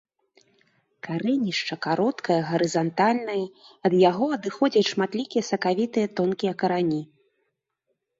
Карэнішча кароткае гарызантальнае, ад яго адыходзяць шматлікія сакавітыя тонкія карані.